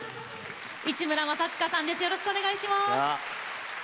市村正親さんです。